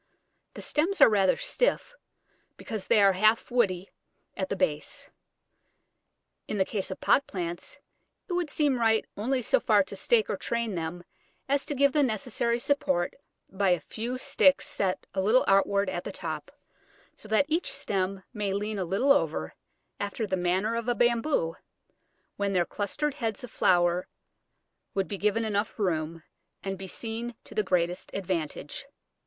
The stems are rather stiff, because they are half woody at the base. In the case of pot plants it would seem right only so far to stake or train them as to give the necessary support by a few sticks set a little outwards at the top, so that each stem may lean a little over, after the manner of a Bamboo, when their clustered heads of flower would be given enough room, and be seen to the greatest advantage.